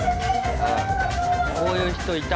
こういう人いた！